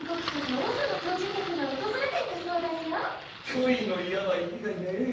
恋の病以外ねぇ。